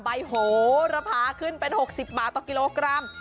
ใบโหระพาขึ้นเป็น๖๐บาทต่อกิโลกรัม